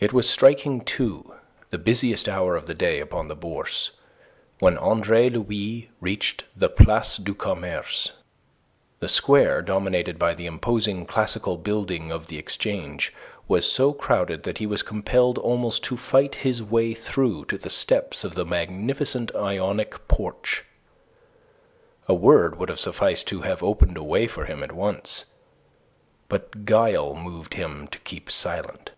It was striking two, the busiest hour of the day upon the Bourse, when Andre Louis reached the Place du Commerce. The square, dominated by the imposing classical building of the Exchange, was so crowded that he was compelled almost to fight his way through to the steps of the magnificent Ionic porch. A word would have sufficed to have opened a way for him at once. But guile moved him to keep silent.